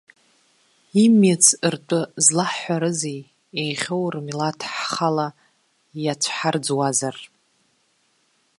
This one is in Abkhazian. Имиц ртәы злаҳҳәарызеи, иихьоу рмилаҭ ҳҳала иацәҳарӡуазар?